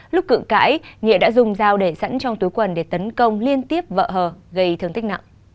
lúc cự cãi nghĩa đã dùng dao để sẵn trong túi quần để tấn công liên tiếp vợ hờ gây thương tích nặng